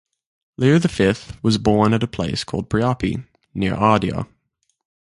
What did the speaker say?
Leo the Fifth was born at a place called Priapi, near Ardea.